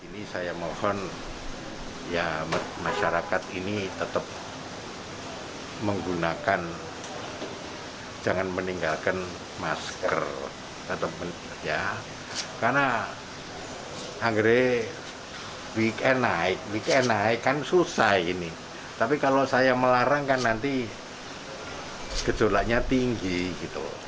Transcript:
nah ikan susah ini tapi kalau saya melarangkan nanti gejolaknya tinggi gitu